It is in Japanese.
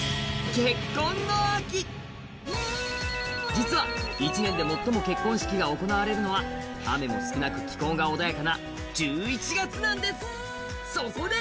実は１年で最も結婚式が行われるのは雨も少なく気候が穏やかな１１月なんです、そこで。